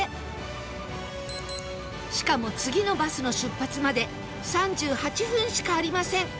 しかも次のバスの出発まで３８分しかありません